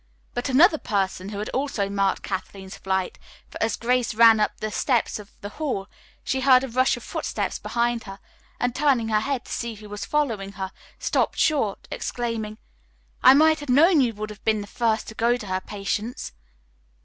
But another person had also marked Kathleen's flight, for as Grace ran up the steps of the hall she heard a rush of footsteps behind her, and, turning her head to see who was following her, stopped short, exclaiming, "I might have known that you would be the first to go to her, Patience!"